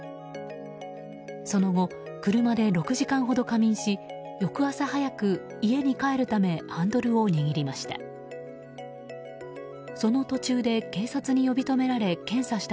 その後、車で６時間ほど仮眠し翌朝早く、家に帰るためハンドルを握りました。